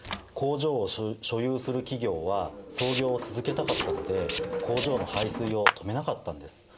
工場を所有する企業は操業を続けたかったので工場の排水を止めなかったんです。